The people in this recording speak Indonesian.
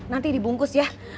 nanti dibungkus ya